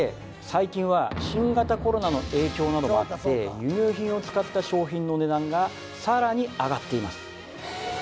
最近は新型コロナの影響などもあって輸入品を使った商品の値段がさらに上がっています